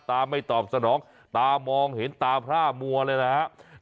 ไม่ตอบสนองตามองเห็นตาพร่ามัวเลยนะครับ